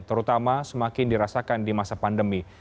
terutama semakin dirasakan di masa pandemi